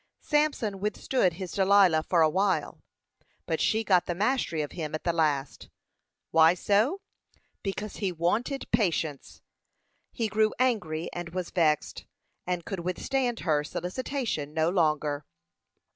Samson withstood his Delilah for a while, but she got the mastery of him at the last; why so? Because he wanted patience, he grew angry and was vexed, and could withstand her solicitation no longer.